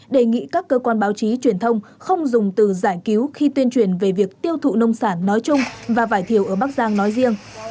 đề nghị các cơ quan báo chí truyền thông không dùng từ giải cứu khi tuyên truyền về việc tiêu thụ nông sản nói chung và vải thiều ở bắc giang nói riêng